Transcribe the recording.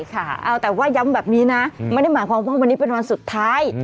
ค่ะเอาแต่ว่าย้ำแบบนี้นะไม่ได้หมายความว่าวันนี้เป็นวันสุดท้าย